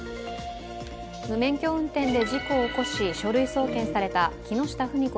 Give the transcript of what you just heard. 無免許運転で事故を起こし書類送検された木下富美子